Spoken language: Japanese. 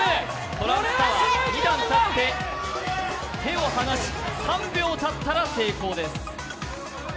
トランプタワー、２段作って、手を離し、３秒たったら成功です。